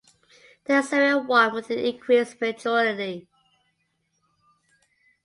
Teixeira won with an increased majority.